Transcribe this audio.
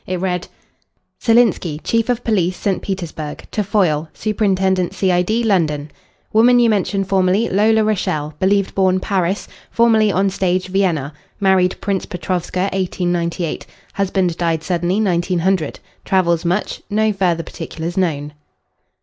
It read "Silinsky, Chief of Police, St. Petersburg. To Foyle, Superintendent C.I.D., London. "Woman you mention formerly Lola Rachael, believed born Paris; formerly on stage, Vienna; married Prince Petrovska, 1898. Husband died suddenly 1900. Travels much. No further particulars known."